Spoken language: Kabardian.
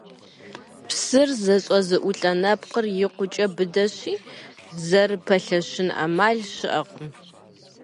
Псыр зэщӀэзыӀулӀэ нэпкъхэр икъукӀэ быдэщи, зэрыпэлъэщын Ӏэмал щыӀэкъым.